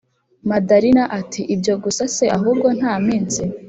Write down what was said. madalina ati”ibyo gusa se ahubwo ntaminsi